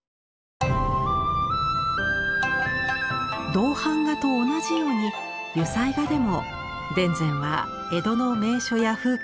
銅版画と同じように油彩画でも田善は江戸の名所や風景を多く描いています。